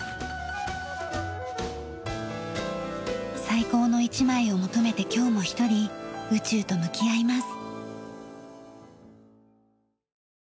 最高の一枚を求めて今日も一人宇宙と向き合います。